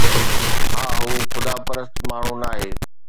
ها، هو خدا پرست ماڻهو ناهي